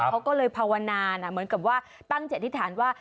เขาก็เลยภาวนาเหมือนกับว่าตั้งจิตอธิษฐานว่า